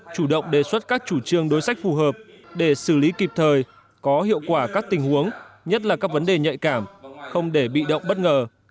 chủ động đề xuất các chủ trương đối sách phù hợp để xử lý kịp thời có hiệu quả các tình huống nhất là các vấn đề nhạy cảm không để bị động bất ngờ